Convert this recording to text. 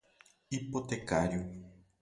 hipotecário